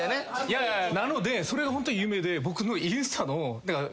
なのでそれがホント夢で。